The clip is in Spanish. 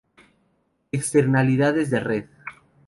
Externalidades de red